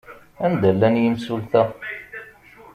Anda llan yimsulta?